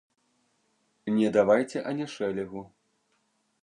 Не давайце ані шэлегу.